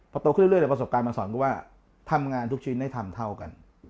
พอโตขึ้นเรื่อยประสบการณ์มันสอนเพราะว่าทำงานทุกชิ้นให้ทำเท่ากัน